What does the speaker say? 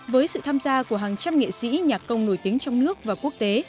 với sự tham gia của hàng trăm nghệ sĩ nhạc công nổi tiếng trong nước và quốc tế